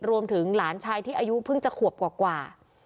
รวมถึงหลานชายที่อายุเพิ่งจะขวบกว่ากว่า